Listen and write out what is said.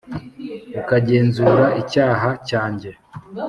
ukagenzura icyaha cyanjye,